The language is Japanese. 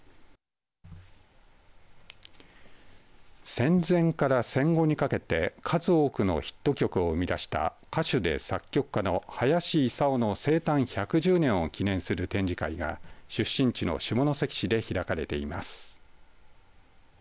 戦前から戦後にかけて数多くのヒット曲を生み出した歌手で作曲家の林伊佐緒の生誕１１０年を記念する展示会が出身地の下関市で開かれています。